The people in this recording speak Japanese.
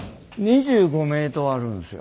２５ｍあるんですよ。